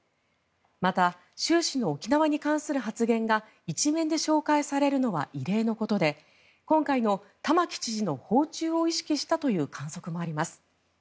また、習氏の沖縄に関する発言が１面で紹介されるのは異例のことで今回の玉城知事の訪中を意識したという観測もあります。